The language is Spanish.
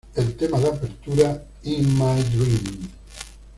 El tema de apertura "In My Dream".